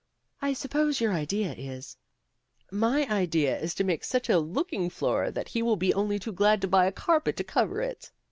"I suppose your idea is" "My idea is to make such a looking floor that he will be only too glad to buy a carpet to cover it."